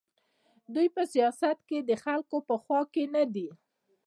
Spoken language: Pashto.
دوی په سیاست کې د خلکو په خوا کې نه دي.